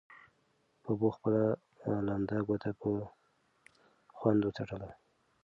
ببو خپله لمده ګوته په خوند وڅټله.